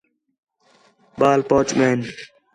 ٻال پُہچ ڳئین